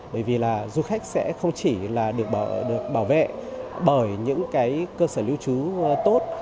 bởi vì là du khách sẽ không chỉ là được bảo vệ bởi những cơ sở lưu trú tốt